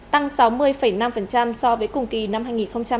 tăng sáu mươi năm so với cùng kỳ năm hai nghìn hai mươi hai